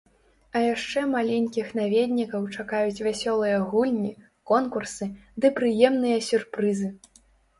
А яшчэ маленькіх наведнікаў чакаюць вясёлыя гульні, конкурсы ды прыемныя сюрпрызы!